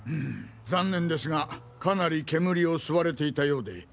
残念ですがかなり煙を吸われていたようで。